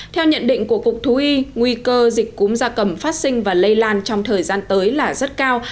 theo nhận định của cục thú y nguy cơ dịch cúm da cầm phát sinh và lây lan trong thời gian tới là rất cao